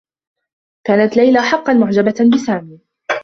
كانت ليلى حقّا معجبة بسامي.